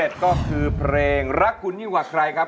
ร้องได้ให้ล้าน